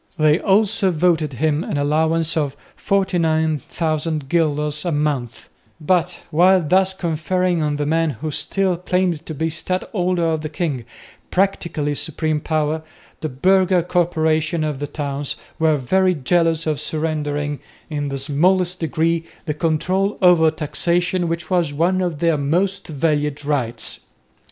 They also voted him an allowance of 49,000 guilders a month; but, while thus conferring on the man who still claimed to be the "Stadholder of the king" practically supreme power, the burgher corporations of the towns were very jealous of surrendering in the smallest degree that control over taxation which was one of their most valued rights.